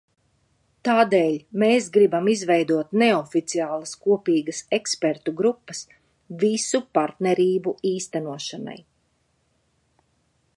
Tādēļ mēs gribam izveidot neoficiālas kopīgas ekspertu grupas visu partnerību īstenošanai.